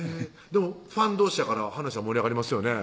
でもファンどうしやから話は盛り上がりますよね